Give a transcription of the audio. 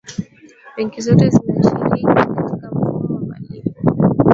benki zote zinashiriki katika mfumo wa malipo